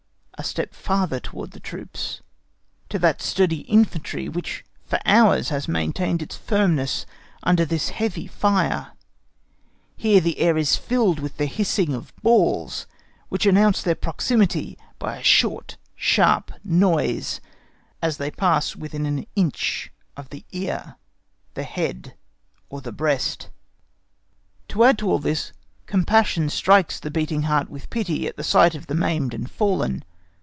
A step farther towards the troops, to that sturdy infantry which for hours has maintained its firmness under this heavy fire; here the air is filled with the hissing of balls which announce their proximity by a short sharp noise as they pass within an inch of the ear, the head, or the breast. To add to all this, compassion strikes the beating heart with pity at the sight of the maimed and fallen.